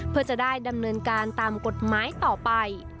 เพื่อจะได้ดำเนินการตามกฎหมายต่อไป